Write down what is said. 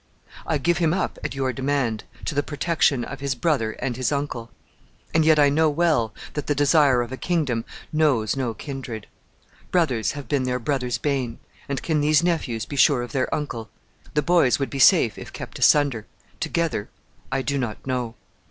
"I give him up, at your demand, to the protection of his brother and his uncle. And yet I know well that the desire of a kingdom knows no kindred. Brothers have been their brothers' bane, and can these nephews be sure of their uncle? The boys would be safe if kept asunder; together I do not know.